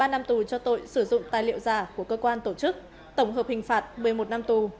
ba năm tù cho tội sử dụng tài liệu giả của cơ quan tổ chức tổng hợp hình phạt một mươi một năm tù